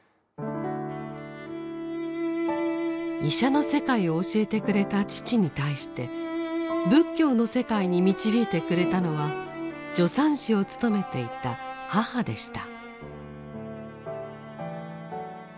医者の世界を教えてくれた父に対して仏教の世界に導いてくれたのは助産師を務めていた母でした。